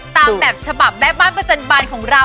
ตามแบบฉบับแม่บ้านประจันบาลของเรา